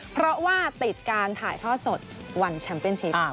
เพราะว่าติดการถ่ายทอดสดวันแชมป์เป็นชิป